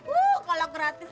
uh kolak gratis